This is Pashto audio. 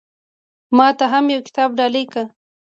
ما ته هم يو کتاب ډالۍ کړه